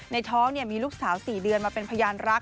ในท้องมีลูกสาว๔เดือนมาเป็นพยานรัก